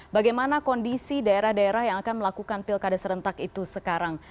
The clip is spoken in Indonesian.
bagaimana kondisi daerah daerah yang akan melakukan pilkada serentak itu sekarang